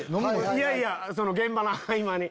いやいや現場の合間に。